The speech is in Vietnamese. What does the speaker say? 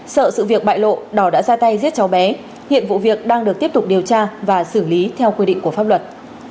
sợ sự việc bại lộ đã ra tay giết cháu bé hiện vụ việc đang được tiếp tục điều tra và xử lý theo quy định của pháp luật